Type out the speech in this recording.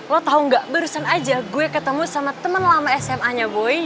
lo tau gak barusan aja gue ketemu sama temen lama smanya boy